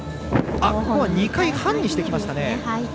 ２回半にしてきましたね。